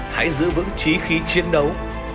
hãy giữ vững trí khí chiến đấu